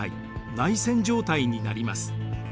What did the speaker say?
内戦状態になります。